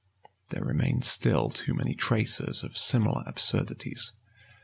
[*] There remain still too many traces of similar absurdities.